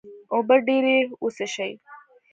اوبه ډیرې وڅښئ